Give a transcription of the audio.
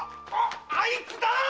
あいつだ！